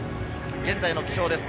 現在の気象です。